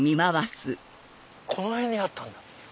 この辺にあったんだ。